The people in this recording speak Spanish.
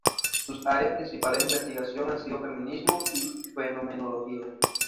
Sus áreas principales de investigación han sido feminismo y fenomenología.